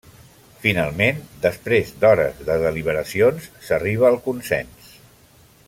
Finalment, després d'hores de deliberacions s'arriba al consens.